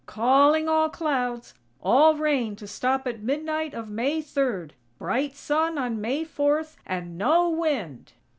Calling all clouds!! All rain to stop at midnight of May Third! Bright Sun on May Fourth, and no wind!!"